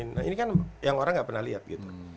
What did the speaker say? nah ini kan yang orang gak pernah liat gitu